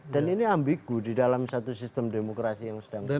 ini ambigu di dalam satu sistem demokrasi yang sedang berjalan